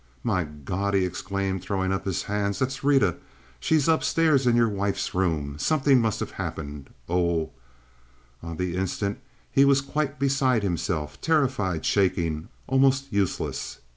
"My God!" he exclaimed, throwing up his hands, "that's Rita! She's up stairs in your wife's room! Something must have happened. Oh—" On the instant he was quite beside himself, terrified, shaking, almost useless.